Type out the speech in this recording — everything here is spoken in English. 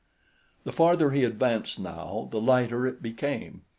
The farther he advanced now, the lighter it became.